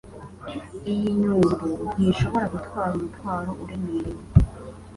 Iyi nyumbu ntishobora gutwara umutwaro uremereye.